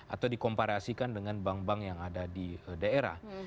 atau dikomparasikan dengan bank bank yang ada di daerah